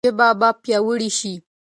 ژبه به پیاوړې شي.